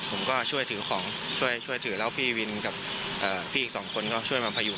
ผมก็ช่วยถือของช่วยถือแล้วพี่วินกับพี่อีกสองคนก็ช่วยมาพยุง